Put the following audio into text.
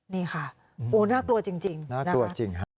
นี่ค่ะโอ้น่ากลัวจริงนะครับ